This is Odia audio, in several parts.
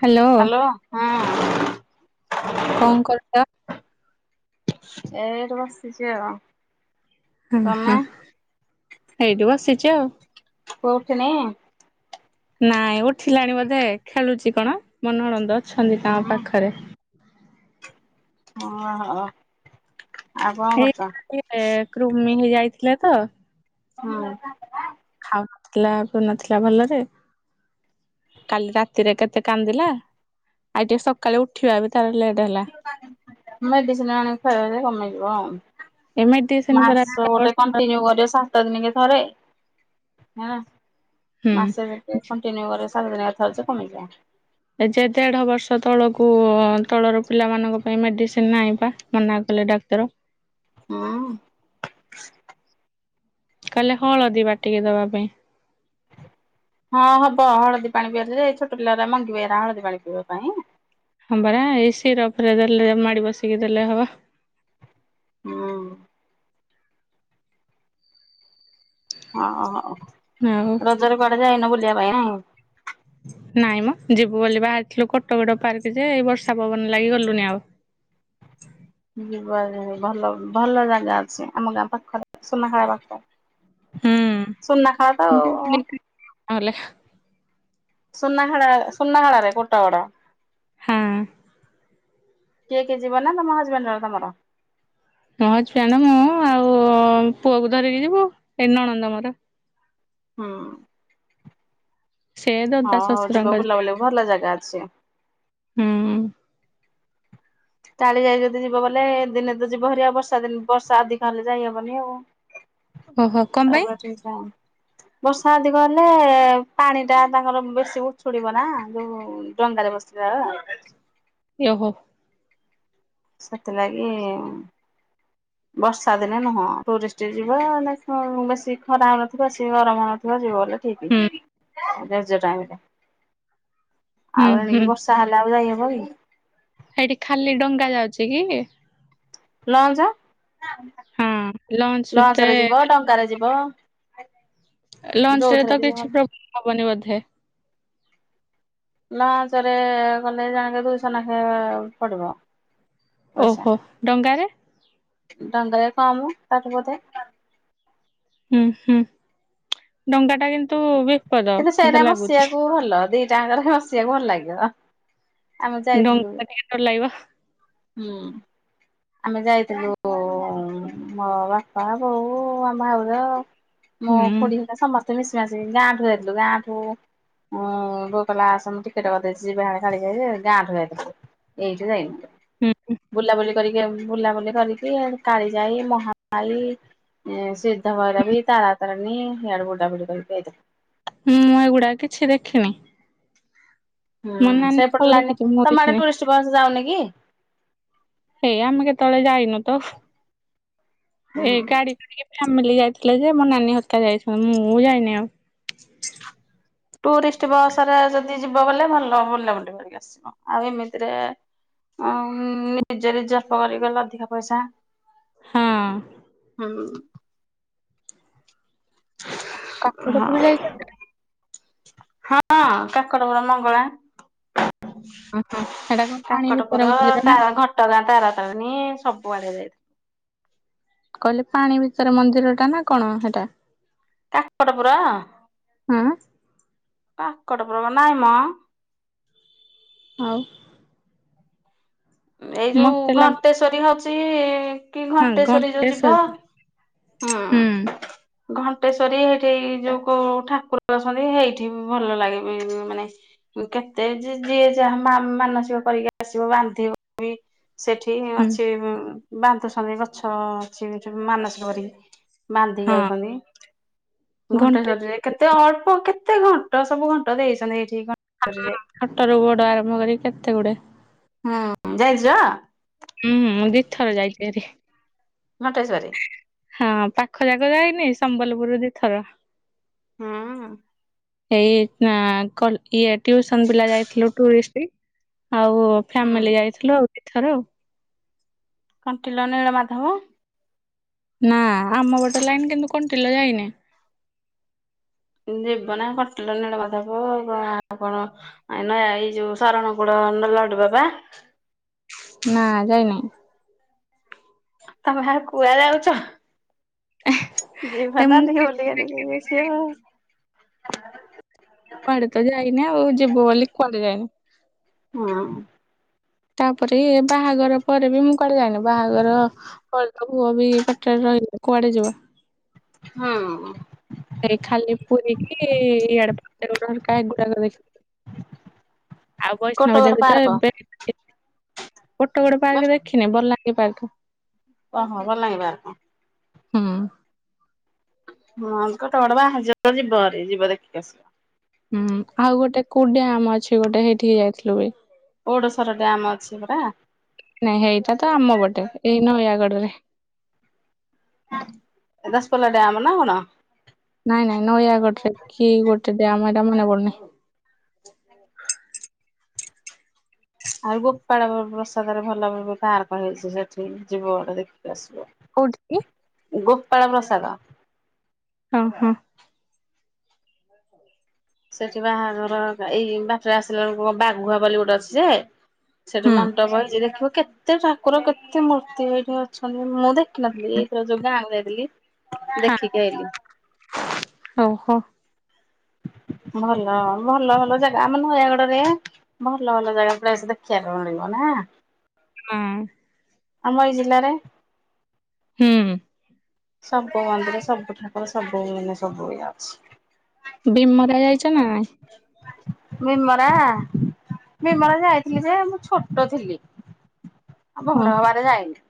Hello hello. କଁ କରୁତ? ଏ ଏଇଠି ବସିଚି ଆଉ। ହୁଁ-ହୁଁ ତମେ ହେଇଟି ବସିଚି ଆଉ। ପୁଅ ଉଠିନି? ନାଇଁ ଉଠିଲାଣି ବୋଧେ ଖେଳୁଛି କଣ ମୋ ନଣନ୍ଦ ଅଛନ୍ତି ତା ହୁଁ ପାଖରେ। ହଁ ହ। ଏଇ [unintelligible] ଏ କୃମି ହେଇ ଯାଇଥିଲେ ତ ହଁ। ଖାଉନଥିଲା ପିଉ ନଥିଲା ଭଲରେ। କାଲି ରାତିରେ କେତେ କାନ୍ଦିଲା ଆଉ ଟିକେ ସକାଳୁ ଉ ଠିବା ବା ତାର ଲେଟ୍ ହେଲା। ମେଡିସିନ ଆଣି ଖାଇବ ଯେ, କମି ଯିବ ଆଉ। ଏ ମେଡିସିନ ପରା ମାସ ଗୋଟେ କଣ୍ଟିନ୍ୟୁ କରିବ, ସା ସତ ଦିନକେ ଥରେ, ହେଲା ହୁଁ ମାସେ କଣ୍ଟିନ୍ୟୁ କରେ ସାତ ଦିନିଆ ଥରେ ତ କମି ଯାଉଚି। ଏ ଯେ ଦେଢ଼ ବର୍ଷ ତଳକୁ ତଳର ପିଲାମାନଙ୍କ ପାଇଁ ମେଡ଼ିସିନ୍ ନାହିଁ ବା ମନା କଲେ ଡାକ୍ତର। ଉଁ। କହିଲେ ହଳଦୀ ବାଟିକି ଦବା ପାଇଁ। ହଁ ହବ ହଳଦୀ ପାଣି ପିଅନ୍ତି ଯେ, ଛୋଟ ପିଲା ଗୁରା ମଙ୍ଗିବେ ଏରା ହଳଦୀ ପାଣି ପିଇବା ପାଇଁ? ହଁ ପରା ଏଇ ସିରପରେ ଦେଲେ ମାଡି ବସିକି ଦେଲେ ହବ। ହଁ। ଓ ହୋ ଆଉ ରଜରେ କୁଆଡେ ଯାଇନ ବୁଲିବା ପାଇଁ ନାଇଁ? ନାଇଁ ମ ଯିବୁ ବୋଲି ବାହାରିଥିଲୁ କଟଗଡ ପାର୍କ ଯେ, ଏଇ ବର୍ଷା ପବନ ଲାଗି ଗଲୁନି ଆଉ। ଯିବ ଭଲ ଭଲ ଜାଗା ଅଛି, ଆମ ଗାଁ ପାଖରେ ସୁନାଖେଳା ପାଖରେ। ହୁଁ ସୁନାଖେଳା ତ ଆଉ। [unintelligible] ସୁନାଖେଳା ସୁନାଖେଳାରେ କୁଟଗଡ଼। ହଁ। କିଏ କିଏ ଯିବ ନା ତମ ହଜବେଣ୍ଡର ତମର? ମୋ ହଜବେଣ୍ଡ, ମୁଁ ଆଉ ପୁଅକୁ ଧରିକି ଯିବୁ ଏଇ ନଣନ୍ଦ ମୋର। ହୁଁ। ସେ ଦଦା ହଉ ହଉ ଯିବ ଶଶୁରଙ୍କ ଝିଅ ବୁଲାବୁଲି ଭଲ ଜାଗା ଅଛି। ହୁଁ। କାଳିଜାଇ ଯଦି ଯିବ ବୋଲେ ଦିନେ ତ ଯିବ ହେରିଆ, ବର୍ଷା ଦିନ ବର୍ଷା ଅଧିକା ହେଲେ ଯାଇହବନି ଆଉ। ଓହୋ କଣ ପାଇଁ? [unintelligible] ଠେଇ କଣ ବର୍ଷା ଅଧିକ ହେଲେ ପାଣିଟା ତାଙ୍କର ବେଶୀ ଉଛୁଳିବ ନା ଯୋଉ ଡଙ୍ଗାରେ ବସିଲା ବେଳେ। ଏ ହୋ। ସେଥିଲାଗି ହୁଁ ବର୍ଷା ଦିନେ ନୁହଁ ଟୁରିଷ୍ଟ ଯିବ, ବେଶୀ ଖରା ହଉ ନଥିବ ବେଶୀ ଗରମ ହଉ ନଥିବ ଯିବ ବୋଲିଲେ। ହୁଁ [unintelligible] ହୁଁ ଆଉ ହୁଁ ଏଣିକି ବ ତାହେଲେ ଆଉ ଯାଇ ହବ କି? ସେଇଠି ଖାଲି ଡଙ୍ଗା ଯାଉଛି କି? ଲଞ୍ଚ ହଁ ଲଞ୍ଚ ରେ ଲଞ୍ଚରେ ଯିବ, ଡ ଙ୍ଗାରେ ଯିବ। ଲଞ୍ଚରେ ଯୋଉଥିରେ ତ ବି ଯିବ କିଛି ପ୍ରୋବ୍ଲେମ ହବନି ବୋଧେ? ଲଞ୍ଚରେ ଗଲେ ଜଣକେ ଦୁଇଶହ ନେଖା ପଡିବ। ଓ ପଇସା ହୋ ଡଙ୍ଗାରେ? ଡଙ୍ଗାରେ କମ୍ ତାଠୁ ବୋଧେ? ହୁଁ -ହୁଁ ଡଙ୍ଗାଟା କିନ୍ତୁ ବି କିନ୍ତୁ ସେଇଟା ବସିବାକୁ ଭଲ, ଦିଟାଙ୍କରେ ବି ବସିବାକୁ ଭଲ ଲାଗିବ। ଆମେ ଯାଇଥିଲୁ ଡଙ୍ଗା ଟିକେ ଡର ଲାଗିବ। ହୁଁ ଆମେ ଯାଇଥିଲୁ ମୋ ବାପା, ବୋଉ, ଆମ ଭାଉଜ, ହୁଁ ମୋ ଖୁଡି। ସମସ୍ତେ ମିଶି ମାସି ଗାଁଠୁ ଯାଇଥିଲୁ, ଗାଁଠୁ ହଁ ବୋଉ କହିଲା ଆସ ମୁଁ ଟିକେଟ କରିଦେଇଛି, [unintelligible] କାଳିଜାଇ ଗାଁରୁ ଯାଇଥିଲୁ। ଏଇଟ [unintelligible] ହୁଁ ବୁଲାବୁଲି କରିକି ବୁଲାବୁଲି କରିକି କାଳି ଯାଇ ମହାକାଲି ସେ ଦ ଭ ବି ତାରା ତାରାନୀ ହେଡ଼େ [unintelligible] କରିକି ଏଇଥିଲୁ। ହୁଁ ମୁଁ ଏଗୁଡାକ କିଛି ଦେଖିନି। ମୋ ହୁଁ ନାନୀ ସବୁ ସେପଟ ଲାନିରେ ଦେଖିଛି ମୁଁ ତମେ ଦେଖିନି ଟୁରିଷ୍ଟ ବସ ଯାଉନି କି? ହେଇ ଆମେ କେତେବେଳେ ଯାଇନୁ ତ। ହୁଁ ଏଇ ଗାଡି ଟିକେ ଫ୍ୟାମିଲି ଯାଇଥିଲେ ଯେ ମୋ ନାନୀ ହେରିକା ଯାଇଛନ୍ତି। ମୁଁ ଯାଇନି ଆଉ। ଟୁରିଷ୍ଟ ବସ ରେ ଯଦି ଯିବ ଗଲେ ଭଲ ବୁଲ ବୁଲି କରିକି ଆସିବ। ଆଉ ଏମିତିରେ ନିଯେ ରିଜାର୍ଭ କରିକି ଗଲେ ଅଧିକା ପଇସା ହଁ ହୁଁ ହଁ କାକଟପୁର ଯାଇଛନ୍ତି? ହଁ କାକଡ ବର ମଙ୍ଗଳା ଓହୋ ହେଟା କଣ ପାଣି ଭିତରେ କାଙ୍କଟପୁର [unintelligible] ମନ୍ଦିର ନା ଘଟ କଣ? ହୋଟଗାଁ ତାର ତାରନୀ ସବୁଆଡେ ଯାଇଥାଏଵ। କହିଲେ ପାଣି ଭିତରେ ମନ୍ଦିର ଟା ନା କଣ ହେଟା। କାକଡ଼ ପୁର ହଁ ପାକଟ ପୂର ନାଇଁ ମ ହଉ ଏଇ ଯୋଉ ମତେ ଲାଗୁ ଘଣ୍ଟେଶ୍ଵରୀ ହଉଛି କି ଘଣ୍ଟେଶ୍ଵରୀ ଯୋଉ ଯିବ ହୁଁ ଘଣ୍ଟେଶ୍ଵରୀ ଏଇଠି ଯୋଉ କୋଉ ଠାକୁର ଅଛନ୍ତି ସେଇଠି ଭଲ ଲାଗେ ବି। ମାନେ କେତେ ଯିଏ ଯାହା ମାନସିକ ପରିକା ଆସିବ, ବାନ୍ଧିବ। ବି ସେଠି ହୁଁ ଅଛି ବାନ୍ଧୁସଛନ୍ତି ଗଛ ଅଛି ମାନସ କରି। ବାନ୍ଧିକି ହଁ ଯାଉଛନ୍ତି ଘଣ୍ଟେଶ୍ଵରରେ। ଘଣ୍ଟେ କେତେ ଅଳ୍ପ କେତେ ଘଣ୍ଟ ସବୁ ଘଣ୍ଟ ଦେଇଛନ୍ତି ଏଇଠି [unintelligible] ଛଟ ର ବଡ ଆରମ୍ଭ କରି କେତେ ଗୁଡେ। ହୁଁ ଜାଇଛ? ହୁଁ, ମୁଁ ଦୁଇ ଥର ଯାଇଛି ଭାରି। ଘଣ୍ଟେ ସ୍ୱରୀ। ହଁ ପାଖ ଯାକ ଯାଇନି ସମ୍ବଲପୁର ଦିଇଥର। ହୁଁ ହୁଁ ଏଇ ନା କଲକୀ ଟିଉସନ ପିଲା ଯାଇଥିଲୁ ଟୁଇଷ୍ଟ୍। ଆଉ ହୁଁ ଫ୍ୟାମିଲି ଯାଇଥିଲୁ ଆଉ ଦିଥର। କଣ୍ଟିଲ ନୀଳମାଧବ? ନା ଆମ ପଟ ଲାଇନ୍ କିନ୍ତୁ କଣ୍ଟିଲା ଯାଇନି। ଯିବ ନା କଟିଲ ନୀଳମାଥାବ ଆ କଣ ଆଇ ନା ଯାଇ ଯୋଉ ସାରଣ କୂଳ ନଲଡୁ ବାବା। ନା ଯାଇନି। ତମେ ଆଉ କୁଆ ଯାଉଛ ଏ ଯିବ ମୁଁ ନା ଟିକେ ବୁ [unintelligible] କୁଆଡେ ତ ଯାଇନି ଆଉ ଯିବୁ ବୋଲି କୁଆଡେ ଯାଇନି। ହୁଁ। ତାପରେ ବାହାଘର ପରେ ବି ମୁଁ କୁଆଡେ ଯାଇନି ବାହାଘର କହିଦେବୁ ପୁଅ ବି ପାଠ ସଇଲେ କୁଆଡେ ଯିବା? ହୁଁ। ଏଇ ଖାଲି ପୁରିକି ଇଆଡେ [unintelligible] ହୁଏ। ଆଉ କୋଟଗଡ ବୈଷ୍ଣବବଜା ଭିତରେ ପାର୍କ ଏବେ ଗୋଟେ ଗୋଟେ ବସ୍ ପାର୍କ ଦେଖିନି ଭଲ ଲାଗେ ପାର୍କ। ଅହ ଭଲ ଲାଗେ ପାର୍କ? ହୁଁ। ହୁଁ କେତେବେଳେ ବାହାରିକି ଯିବା ଦେଖିକି ଆସିବ। ହୁଁ ଆଉ ଗୋଟେ କଉ ଡ଼ାମ ଅଛି ଗୋଟେ ହେଇଠିକି ଯାଇଥିଲୁ ବି। ଗୁଡ଼ସରା ଡ୍ୟାମ୍ ଅଛି ପରା? ନାଇଁ ହେଇଟା ତ ଆମ ପଟେ, ଏଇ ନୟାଗଡରେ। ଏ ଦସପଲା ଡ଼ାମ୍ ନା କଣ? ନାଇଁ ନାଇଁ ନୟାଗଡରେ କି ଗୋଟେ ଡ୍ୟାମ ହେଇଟା ମନେ ପଡୁନି। ଆଉ ଗୋପାଳ ପ୍ରସାଦରେ ଭଲ ଏବେ ପାର୍କ ହେଇଛି ସେଠି ଯିବ ଗୋଟେ ଦେଖିକି ଆସିବ। କୋଉଠି କି? ଗୋପାଳ ପ୍ରସାଦ। ଓ ହଁ। ସେଠି ବାହାଘର ଏଇ ବାଟରେ ଆସିଲା ବେଳକୁ ବାଘୁଆ ବାଲି ଗୋଟେ ଅଛି ଯେ ସେଠି ହୁଁ ମଣ୍ଡପ ହେଇଛି ଦେଖିବ କେତେ ଠାକୁର କେତେ ମୂର୍ତ୍ତି ହେଇକି ଅଛନ୍ତି ମୁଁ ଦେଖୀ ଦେଖିନଥିଲି ଏଇଥର ଯୋଉ ଗାଁକୁ ଯାଇଥିଲି ଦେଖିକି ଆଇଲିି। ହଉ ହଉ। ଭଲ ଭଲ ଭଲ ଜାଗା ଆମ ନୟାଗଡରେ। ଭଲ ଭଲ ଜାଗା ପ୍ରାୟ ସବୁ ଦେଖିବାକୁ ମିଳିବ ନା। ହୁଁ ଆମ ଏଇ ଜିଲ୍ଲାରେ। ହୁଁ। ସବୁ ମନ୍ଦିର, ସବୁ ଠାକୁର, ସବୁ ମାନେ ସବୁ ଇଏ ଅଛି। ବିମରା ଯାଇଛ ନା? ବିମରା? ବିମଳା ଯାଇଥିଲି ଯେ ମୁଁ ଛୋଟ ଥିଲି ଆଉ ବଡ ହବାରେ ଯାଇନି।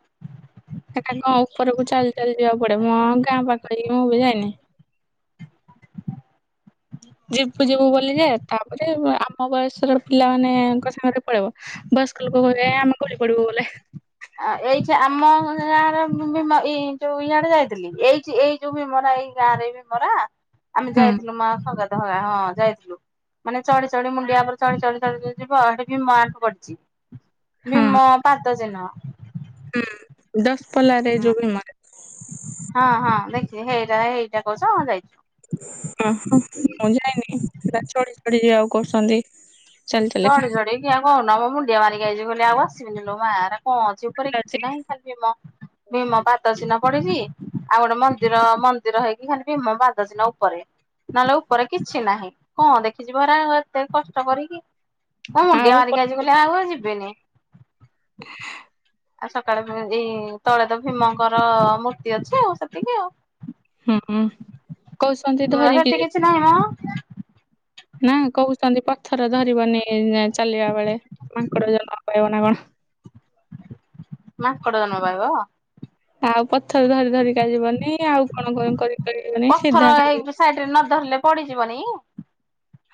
ସେ ତାଙ୍କ ଉପରକୁ ଚାଲି ଚାଲି ଯିବାକୁ ପଡେ ମ, ଗାଁ ପାଖ ହେଇକି ମୁଁ ବି ଯାଇନି। ଯିବୁ ଯିବୁ ବୋଲିଯେ ତାପରେ ଆମ ବୟସର ପିଲା ମାନଙ୍କ ସାଙ୍ଗରେ ସେ ପଳେଇବ ବୟସ୍କ ଲୋକ କହିବେ ଆମେ ଗଳି ପଡିବୁ ଗଲେ। ଏଇଠି ଆମ ଗାଁ ରେ ବି ଇଆଡେ ଯାଇଥିଲି ଏଇଠି ଏଇ ଯଉ ଭିମରା ଏଇ ଗାଁ ରେ ଭିମରା ଆମେ ହୁଁ ଯାଇଥିଲୁ ମାଁ ସଙ୍ଗାତ ହେ଼ଇକା ହଁ ଯାଇଥିଲୁ। ମାନେ ଚଢି ଚଢି ମୁଣ୍ଡିଆ ଉପରେ ଚଢି ଚଢି ଚଢି ଯିବ ସେଠି ବି ଭିମ ହାତ ପଡିଛି। ଭୀମ ପାଦ ଚିହ୍ନ। ହୁଁ ଦଶପଲାରେ ଯୋଉ ଭୀମ ହଁ ହଁ ଦେଖିଛି ସେଇଟା ଏଇଟା କହୁଛ ହଁ ଯାଇଛୁ। ହୁଁ ହୁଁ, ମୁଁ ଯାଇନି ସେଇଟା ଚଢ଼ି ଚଢି ଯିବାକୁ କହୁଛନ୍ତି। ଚାଲି ଚାଲିକା ଚଢି ଚଢିକି ଆଁ କହୁନ ମୁଁ ମୁଣ୍ଡିଆ ମାରିକି ଆଇଛି କହିଲି ଆଉ ଆସିବିନି ଲୋ ମାଁ ରାତି ହଁ ଯେ ଉପରେ କିଛି ନାହିଁ ଖାଲି ଭିମ ଭିମ ପାଦ ଚିହ୍ନ ପଡିଛି। ଆଉ ଗୋଟେ ମନ୍ଦିର ମନ୍ଦିର ହେଇକି ଖାଲି ଭୀମ ପାଦ ଚିହ୍ନ ଉପରେ। ନହେଲେ ଉପରେ କିଛି ନାହିଁ କଣ ଦେଖିଛିି ହେରା ଏତେ କଷ୍ଟ କରିକି। ମୁଁ ଆଉ ମୁଣ୍ଡିଆ ମାରିକି ଆଇଛି କହିଲି ଆଉ ମୁଁ ଯିବିନି। ଆଉ ସକାଳେ ତ ଏଇ ତଳେ ତ ଭୀମଙ୍କର ମୂର୍ତ୍ତି ଅଛି ଆଉ। ସେତିକି ଆଉ ହୁଁ ହୁଁ କହୁଛନ୍ତି ଧରିକିରି ସେ ନାମା [unintelligible] ନା କହୁଛନ୍ତି ପଥର ଧରିବନି ଚାଲିବା ବେଳେ ମାଙ୍କଡ ଜନ୍ମ ପାଇବ। ନା କଣ? ମାଙ୍କଡ ଜନ୍ମ ପାଇବ! ଆଉ ପଥର ଧରି, ଧରିକା ଯିବନି, ଆଉ କଣ, କଣ କରି କରି ଯିବନି ସିଧା ଖାଲି ସାଇଡି ରେ ନ ଧରିଲେ ପଡିଯିବନି।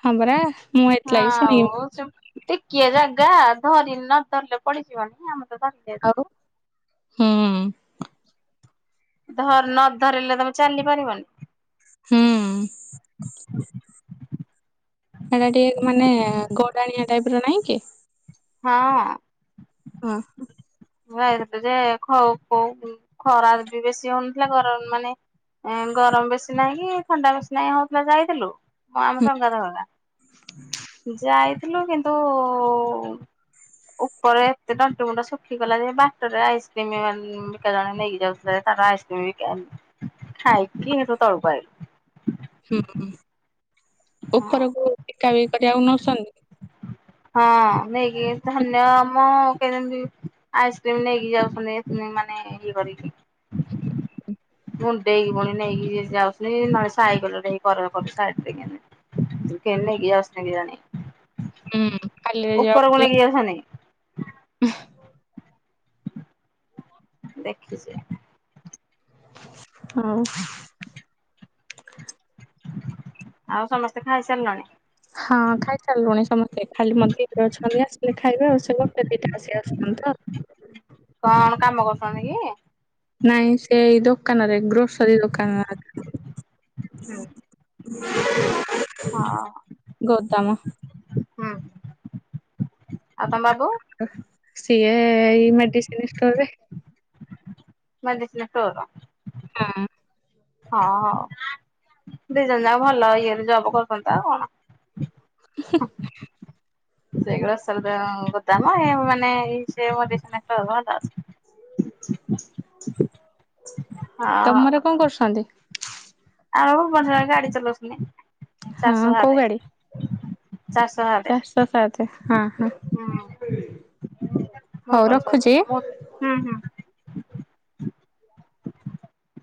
ହଁ ପରା ମୁଁ ଏଥିଲାଗି ଶୁଣିବି। ହୁ ଚୁପ ଟିକିଏ ଜାଗା ଧରି ନ ଧରିଲେ ପଡିଯିବନି ଆମେ ତ ଧରିଲେ ଆଉ [unintelligible] ହୁଁ ଧର ନ ଧରିଲେ ତମେ ଚାଲି ପାରିବନି। ହୁଁ ସେଟା ଟିକେ ମାନେ ଗଡ଼ାଣିଆ ଟାଇପ ର ନାହିଁ କି? ହଁ ହ ହ ଭାଇରିତି ଯେ ଖଉ କୋଉ ଖରା ବି ବେଶୀ ହଉନଥିଲା ଗରମ ମାନେ ଏ ଗରମ ବେଶୀ ନାହିଁ ଥଣ୍ଡା ବେଶୀ ନାହିଁ ହଉଥିଲା ଯାଇଥିଲୁ ଁ ଆମ ହୁଁ ସଂଙ୍କଦ ଭଲା ଯାଇ [unintelligible] ଥିଲୁ, କିନ୍ତୁ ଉପରେ ଏତେ ତଣ୍ଟି ମୁୁଣ୍ଡ ସୁଖ ଶୁଖି ଗଲା ଯେ ବାଟରେ ଆଇସ୍କ୍ରିମ ଗଣ୍ଡ ବିକା ଜଣେ ନେଇକି ଯାଉଥିଲେ। ତାର ଆଇସ୍କ୍ରିମ ବିକା ହାଇଁ କିମ ର ତଳୁକୁ ଆଇଲି। ହୁଁ ହୁଁ ହଁ। ଉପରକୁ ବିକାବିକ କରିବାକୁ ନଉଛନ୍ତି? ହଁ ନେଇ କି ଧନ୍ୟ ମୁଁ ସେ ଯେମିତି ଆଇସ୍କ୍ରିମ ନେଇକି ଯାଉଥିଲେ ମାନେ ଇଏ କରିକି ମୁଣ୍ଡେଇି ପୁଣ ନେଇ କି ଯାଉ ସହାକ [unintelligible] ହୁଁ ଖାଲିରେ ଉପର ଗୁନେ ଆଉ ଏଛନେ ଦେଖିଛେ। ଆଉ ଆଉ ସମସ୍ତେ ଖାଇ ସାରିଲଣି? ହଁ ଖାଇସାରିଲୁଣି ସମସ୍ତେ ଖାଲି ମନ୍ଦିରେ ଅଛନ୍ତି ଆସିଲେ ଖାଇବେ ଆଉ ସେେ ଦିଟା ଆସି ଆସନ୍ତ ତ [unintelligible] କଣ କାମ କରୁଛନ୍ତି କି? ନାଇଁ ସେଇ ଦୋକାନରେ ଗ୍ରୋସରୀ ଦୋକାନରେ ଅଛନ୍ତି। ହଁ ହଉ। ଗୋଦାମ। ହୁଁ ଆଉ ତମ ବାବୁ? ଅ ସିଏ ଏଇ ମେଡିସିନ୍ ଷ୍ଟୋରରେ। Medicine store? ହଁ ହଁ ହଉ ଦିଜଣ ଯା ଭଲ ଇଏରେ ଜବ କରୁଛନ୍ତି। ଆଉ କଣ? ନ [unintelligible] ସେଇଗା ବାମ ମାନେ [unintelligible] ତମର ହଁ କଣ କରୁଛନ୍ତି? ଆଉ ପଞାବ ରେ ଗାଡି ଚଲଉଛୁନି। ହଁ କୋଉ ଗାଡି? ଚାରିଶହ ସାତ। ଚାରଶ ସାତ ହୁଁ ହୁଁ। ହଉ ଭୁବନେଶ୍ୱରରେ ରଖୁଛି? ମୁଁ ହୁଁ ହୁଁ।